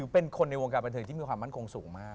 เป็นคนในวงการบันเทิงที่มีความมั่นคงสูงมาก